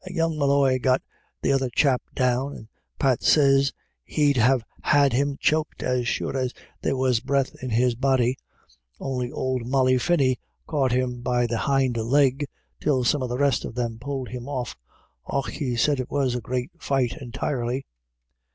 And young Molloy got the other chap down, and Pat sez he'd have had him choked as sure as there was breath in his body, on'y ould Molly Finny caught him be the hind leg, till some of the rest of them pulled him off. Och, he said it was a great fight entirely."